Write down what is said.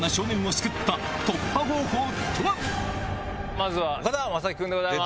まずは岡田将生君でございます。